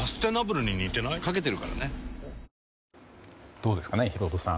どうですかね、ヒロドさん